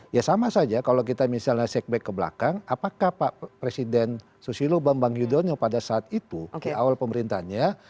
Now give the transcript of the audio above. ya sama saja kalau kita misalnya checkback ke belakang apakah pak presiden susilo bambang yudhoyono pada saat itu di awal pemerintahnya